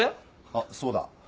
あっそうだ。